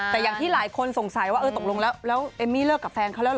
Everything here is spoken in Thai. แต่อย่างที่หลายคนสงสัยว่าเออตกลงแล้วเอมมี่เลิกกับแฟนเขาแล้วเห